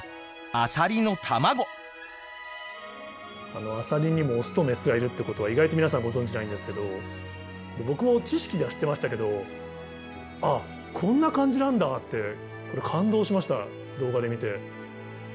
あのアサリにもオスとメスがいるってことは意外と皆さんご存じないんですけど僕も知識では知ってましたけど「ああこんな感じなんだ」ってこれ感動しました動画で見て。